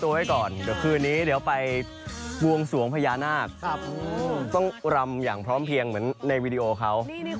แต่ค่าถึงคู่นี้เดี๋ยวไปบวงสวงพญานาคต้องรำอย่างพร้อมเพียงวิดีโอเขา